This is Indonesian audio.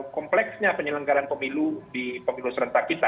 kompleksnya penyelenggaran pemilu di pemilu serentak kita